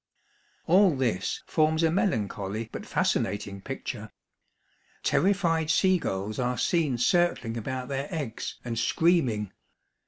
All this forms a melancholy but fascinating picture. Terrified sea gulls are seen circling about their eggs, and screaming.